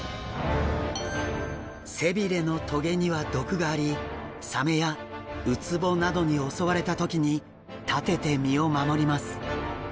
背鰭の棘には毒がありサメやウツボなどに襲われた時に立てて身を守ります。